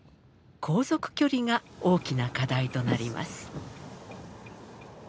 航続距離が大きな課題となります。